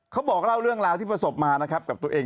เขาบอกเล่าเรื่องราวที่ประสบมานะครับกับตัวเอง